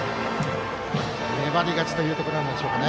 粘り勝ちというところでしょうか。